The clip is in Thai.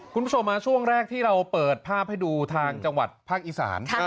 คุณผู้ชมช่วงแรกที่เราเปิดภาพให้ดูทางจังหวัดภาคอีสาน